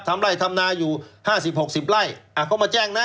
ไล่ทำนาอยู่ห้าสิบหกสิบไร่อ่าเขามาแจ้งนะ